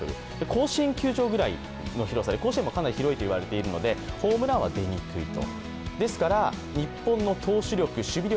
甲子園球場くらいの広さで甲子園もかなり広いと言われているのでホームランは出にくいと。